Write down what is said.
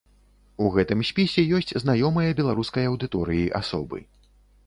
У гэтым спісе ёсць знаёмыя беларускай аўдыторыі асобы.